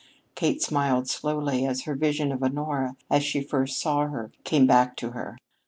Kate smiled slowly, as her vision of Honora as she first saw her came back to her.